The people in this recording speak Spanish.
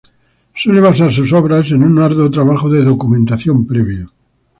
Suele basar sus obras en un arduo trabajo de documentación previa.